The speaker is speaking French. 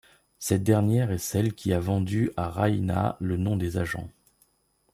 Cette dernière est celle qui a vendu à Rayna le nom des agents.